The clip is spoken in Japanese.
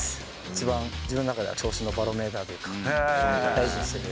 一番自分の中では、調子のバロメーターというか、大事にしている。